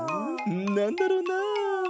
なんだろうな？